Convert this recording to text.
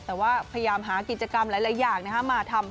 แต่ว่าพยายามหากิจกรรมหลายอย่างมาทำ